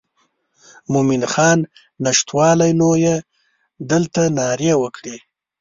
مومن خان نشتوالی نو یې دلته نارې وکړې.